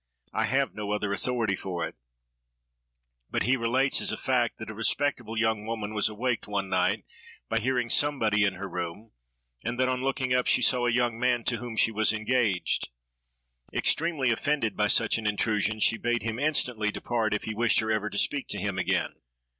I have no other authority for it: but he relates, as a fact, that a respectable young woman was awaked, one night, by hearing somebody in her room, and that on looking up she saw a young man to whom she was engaged. Extremely offended by such an intrusion, she bade him instantly depart, if he wished her ever to speak to him again.